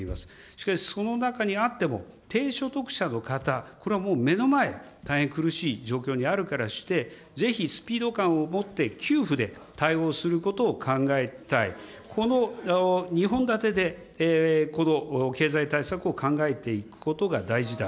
しかし、その中にあっても、低所得者の方、これはもう目の前、大変苦しい状況にあるからして、ぜひスピード感を持って給付で対応することを考えたい、この２本立てでこの経済対策を考えていくことが大事だ。